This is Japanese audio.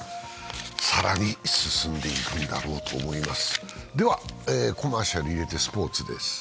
更に進んでいくんだろうと思います。